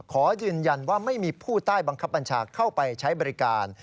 ขอยืนยันว่าไม่มีผู้ใต้บังคับบัญชาเข้าไปใช้บริการ